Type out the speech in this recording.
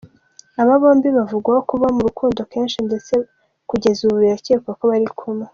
Aba bombi bavugwaho kuba mu rukundo kenshi ndetse kugeza ubu birakekwa ko bari kumwe.